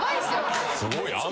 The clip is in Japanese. すごい。